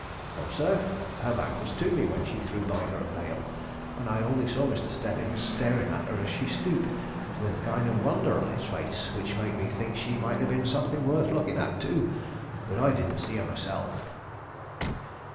"No, sir; her back was to me when she threw by her veil, and I only saw Mr. Stebbins staring at her as she stooped, with a kind of wonder on his face, which made me think she might have been something worth looking at too; but I didn't see her myself."